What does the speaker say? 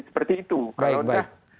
seperti itu kalau tidak